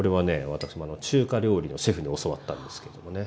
私も中華料理のシェフに教わったんですけどもね。